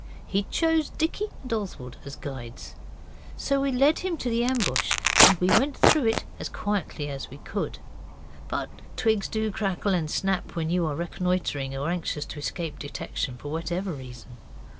He chose Dicky and Oswald as guides. So we led him to the ambush, and we went through it as quietly as we could. But twigs do crackle and snap so when you are reconnoitring, or anxious to escape detection for whatever reason.